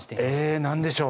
え何でしょう？